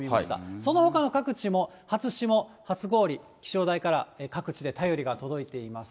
そのほかの各地も初霜、初氷、気象台から各地で便りが届いています。